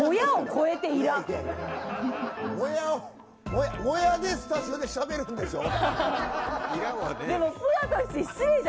もやでスタジオでしゃべるんでしょ。